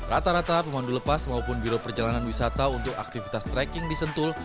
rata rata pemandu lepas maupun biro perjalanan wisata untuk aktivitas trekking di sentul